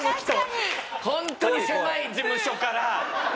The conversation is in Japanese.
ホントに狭い事務所から。